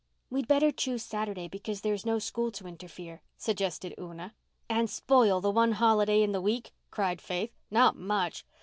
"We'd better choose Saturday because there is no school to interfere," suggested Una. "And spoil the one holiday in the week," cried Faith. "Not much!